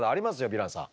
ヴィランさん。